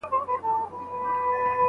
هیوادونه د نوي ساینس په ډګر کي مرسته کوي.